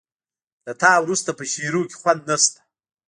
له تا وروسته په شعرونو کې خوند نه شته